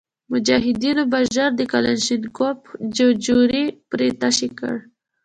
مجاهدینو به ژر د کلشینکوف ججوري پرې تش کړ.